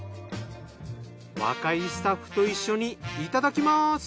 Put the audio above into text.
若いスタッフと一緒にいただきます。